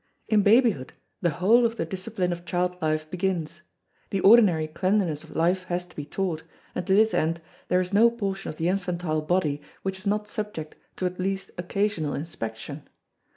In babyhood the whole of the discipline of child life begins. The ordinary cleanliness of life has to be taught, and to this end there is no portion of the infantile body which is not subject to at least occasional inspection.